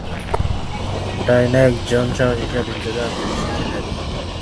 Diana একজন সাহসী স্বাধীনচেতা, আত্মবিশ্বাসী নারী।